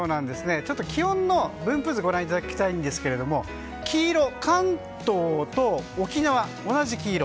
ちょっと、気温の分布図をご覧いただきたいんですが黄色、関東と沖縄同じ黄色。